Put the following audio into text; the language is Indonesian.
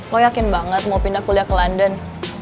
lo yakin banget mau pindah kuliah ke london